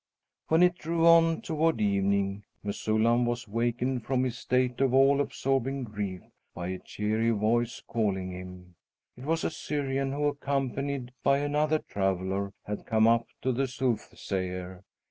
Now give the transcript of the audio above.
When it drew on toward evening, Mesullam was wakened from his state of all absorbing grief by a cheery voice calling him. It was a Syrian who, accompanied by another traveller, had come up to the soothsayer.